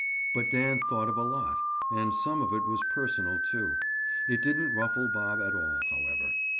But Dan thought of a lot—and some of it was personal, too. It didn't ruffle Bob at all, however.